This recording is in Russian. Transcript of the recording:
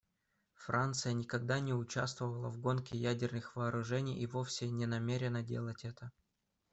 Франция никогда не участвовала в гонке ядерных вооружений и вовсе не намерена делать это.